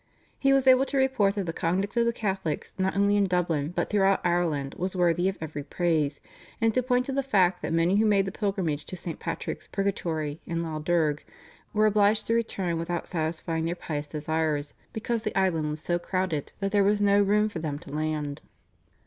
He was able to report that the conduct of the Catholics not only in Dublin but throughout Ireland was worthy of every praise, and to point to the fact that many who made the pilgrimage to St. Patrick's Purgatory in Lough Derg were obliged to return without satisfying their pious desires because the island was so crowded that there was no room for them to land.